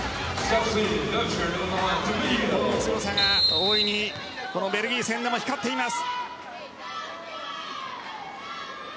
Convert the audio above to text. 日本の強さが大いにベルギー戦でも光っています。